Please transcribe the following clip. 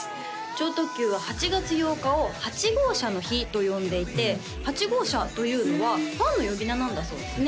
超特急は８月８日を「８号車の日」と呼んでいて「８号車」というのはファンの呼び名なんだそうですね